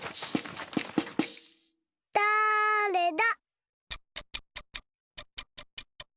だれだ？